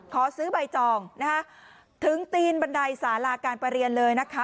ขอซื้อใบจองนะคะถึงตีนบันไดสาราการประเรียนเลยนะคะ